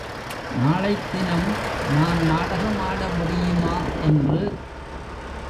நாளைத்தினம் நான் நாடகமாட முடியுமா? என்று.